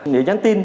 để nhắn tin